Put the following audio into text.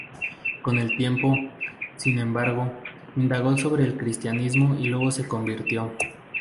Con el tiempo, sin embargo, indagó sobre el cristianismo y luego se convirtió.